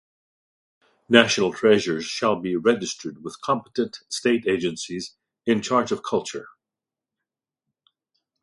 National treasures shall be registered with competent state agencies in charge of culture.